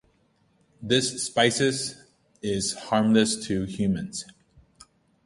This species is harmless to humans.